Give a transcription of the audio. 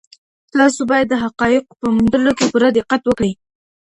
تاسو بايد د حقايقو په موندلو کي پوره دقت وکړئ.